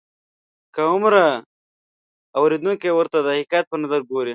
کم عمره اورېدونکي ورته د حقیقت په نظر ګوري.